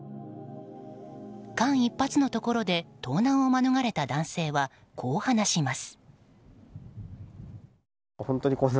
間一髪のところで盗難を免れた男性はこう話します。